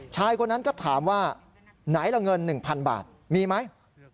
ชายคนนั้นก็ถามว่าไหนละเงิน๑๐๐๐บาทมีไหม